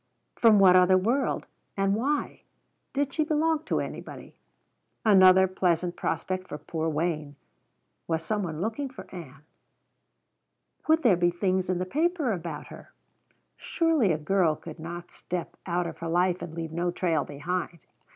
From what other world? and why? Did she belong to anybody? Another pleasant prospect for poor Wayne! Was some one looking for Ann? Would there be things in the paper about her? Surely a girl could not step out of her life and leave no trail behind.